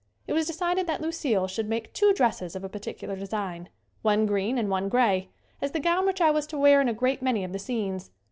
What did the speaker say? It was decided that Lucille should make two dresses of a particular design, one green and one gray, as the gown which I was to wear in a great many of the scenes.